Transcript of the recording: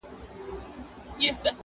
o مځکه ئې سره کړه، د پلانۍ ئې پر شپه کړه٫